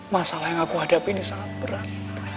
masalah yang aku hadapi ini sangat berat